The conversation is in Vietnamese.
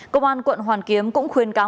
công an quận hoàn kiếm cũng khuyên cáo